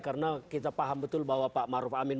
karena kita paham betul bahwa pak maruf amin